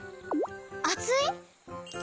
あつい？